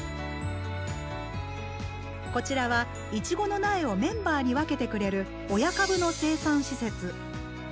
こちらはいちごの苗をメンバーに分けてくれる親株の生産施設。